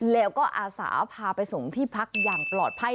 แล้วก็อาสาพาไปส่งที่พักอย่างปลอดภัย